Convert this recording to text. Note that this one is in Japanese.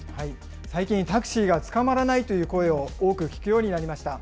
最近、タクシーが捕まらないという声を多く聞くようになりました。